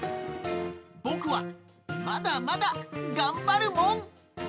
僕は、まだまだ頑張るもん。